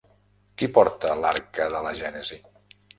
Qui porta l'«Arca de la gènesi»?